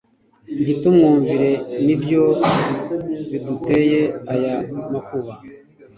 ntitumwumvire ni byo biduteye aya makuba